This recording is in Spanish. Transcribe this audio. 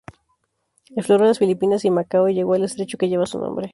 Exploró las Filipinas y Macao, y llegó al estrecho que lleva su nombre.